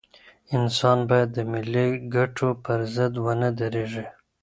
انسان بايد د ملي ګټو پر ضد ونه درېږي.